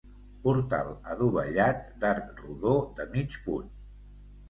Portal adovellat d'arc rodó de mig punt.